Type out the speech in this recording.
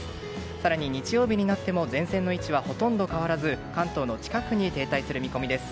更に日曜日になっても前線の位置はほとんど変わらず関東の近くに停滞する見込みです。